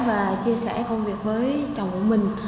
và chia sẻ công việc với chồng của mình